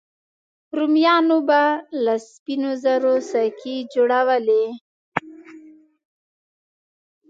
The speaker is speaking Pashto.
رومیانو به له سپینو زرو سکې جوړولې